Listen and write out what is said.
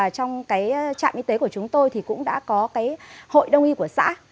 trong trạm y tế của chúng tôi thì cũng đã có hội đông y của xã